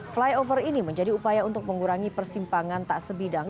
flyover ini menjadi upaya untuk mengurangi persimpangan tak sebidang